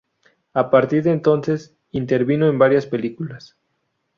A partir de entonces intervino en varias películas.